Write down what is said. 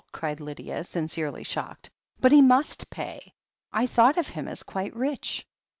cried Lydia, sincerely shocked. "But he must pay. I thought of him as quite rich."